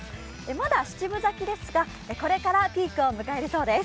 まだ七分咲きですがこれからピークを迎えるそうです。